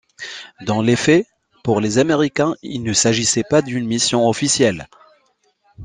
Dans les faits, pour les Américains, il ne s'agissait pas d'une mission officielle.